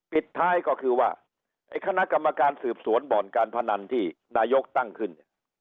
ปิดท้ายก็คือว่าไอ้คณะกรรมการสืบสวนบ่อนการพนันที่นายกตั้งขึ้นเนี่ย